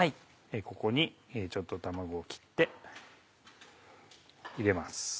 ここにちょっと卵を切って入れます。